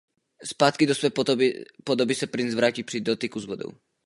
Zpátky do své podoby se princ vrátí při dotyku s vodou.